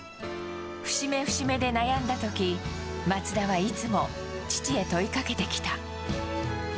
節目節目で悩んだとき、松田はいつも父へ問いかけてきた。